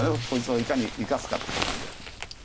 こいつをいかに生かすかっていうことで。